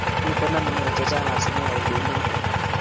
Miten amune chechang asimeyay kunoto